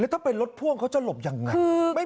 แล้วถ้าเป็นรถพ่วงเขาจะหลบอย่างไร